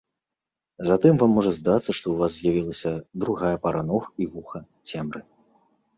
Затым вам можа здацца, што ў вас з'явілася другая пара ног і вуха цемры.